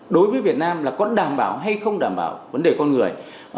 đối với việt nam là có đảm bảo hay không đảm bảo vấn đề con người